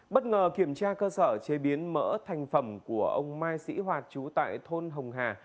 bất ngờ kiểm tra cơ sở chế biến mỡ thành phẩm của ông mai sĩ hoạt chú tại thôn hồng hà